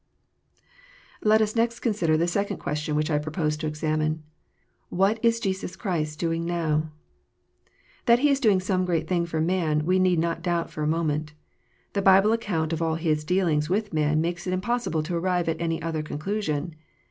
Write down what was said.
Let us next consider the second question which I propose to examine : What is Jesus Christ doing now ? That He is doing some great thing for man w r e need not doubt for a moment. The Bible account of all His dealings with man makes it impossible to arrive at any other conclusion.